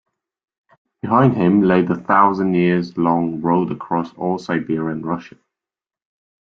Behind him lay the thousand-years-long road across all Siberia and Russia.